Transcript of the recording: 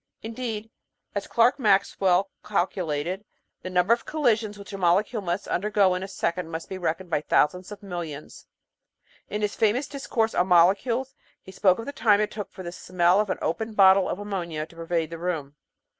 In deed, as Clerk Maxwell calculated, the number of collisions which a molecule must undergo in a second must be reckoned by thou sands of millions. In his famous discourse on molecules he spoke of the time it took for the smell of an opened bottle of ammonia to pervade the room.